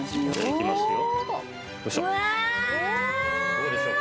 どうでしょうか？